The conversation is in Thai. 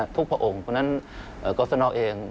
ทุกพระองค์เพราะฉะนั้นเกาะษณองค์เอง